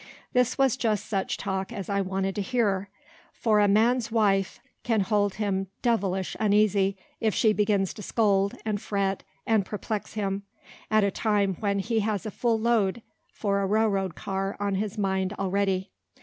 This was just such talk as I wanted to hear, for a man's wife can hold him devlish uneasy, if she begins to scold, and fret, and perplex him, at a time when he has a full load for a rail road car on his mind already.